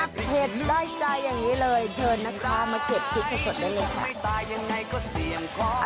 เผ็ดได้ใจอย่างงี้เลยเชิญนะคะมาเก็บพริกสะสดได้เลยค่ะ